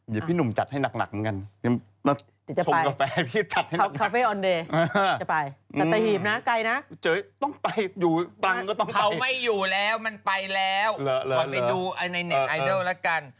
เดี๋ยวพี่หนุ่มจัดให้หนักเหมือนกัน